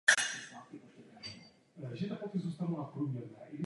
S ní se dostala i na Nový Zéland.